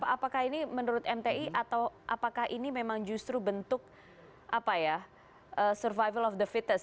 apakah ini menurut mti atau apakah ini memang justru bentuk apa ya survival of the fitest